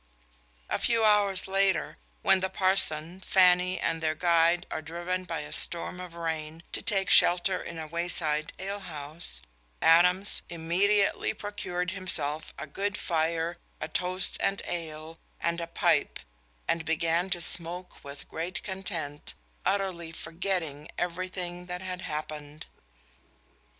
A few hours later, when the parson, Fanny, and their guide are driven by a storm of rain to take shelter in a wayside ale house, Adams "immediately procured himself a good fire, a toast and ale, and a pipe, and began to smoke with great content, utterly forgetting everything that had happened."